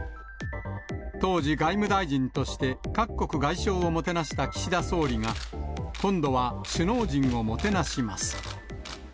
当時外務大臣として、各国外相をもてなした岸田総理が、今度は首脳陣をもてなします。